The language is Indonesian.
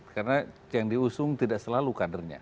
karena yang diusung tidak selalu kadernya